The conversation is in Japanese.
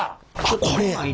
あっこれ。